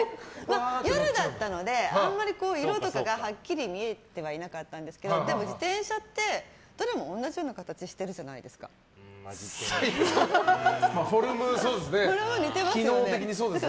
夜だったのであんまり色とかがはっきり見えてはいなかったんですけどでも、自転車ってどれも同じような機能的にそうですね。